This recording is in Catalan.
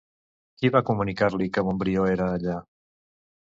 Qui va comunicar-li que Montbrió era allà?